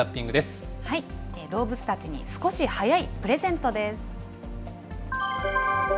動物たちに少し早いプレゼントです。